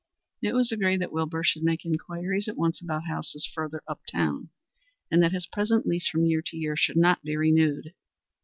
It was agreed that Wilbur should make inquiries at once about houses further uptown, and that his present lease from year to year should not be renewed.